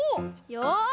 よし！